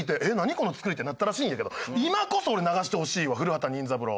この作り」ってなったらしいんやけど今こそ俺流してほしいわ『古畑任三郎』。